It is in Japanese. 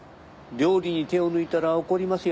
料理に手を抜いたら怒りますよ？